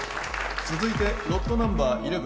続いてロットナンバー１１